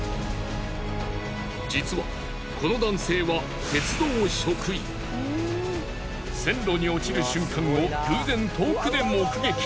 実はこの男性は線路に落ちる瞬間を偶然遠くで目撃。